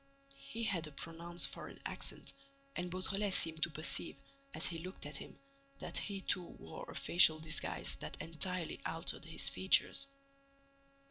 He had a pronounced foreign accent and Beautrelet seemed to perceive, as he looked at him, that he too wore a facial disguise that entirely altered his features.